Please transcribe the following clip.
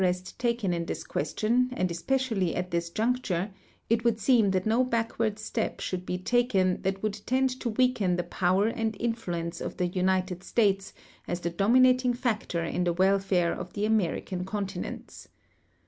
st taken in this question, and especially at this juncture, it Avould seem that no backAvard step should he taken that Avould tend to Aveaken the poAver and in fluence of the United States as the dominating factor in the Avel fore of the American continents.